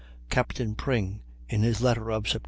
Captain Pring, in his letter of Sept.